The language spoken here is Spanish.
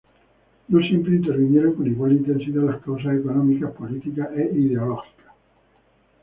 No siempre intervinieron con igual intensidad las causa económicas, políticas e ideológicas.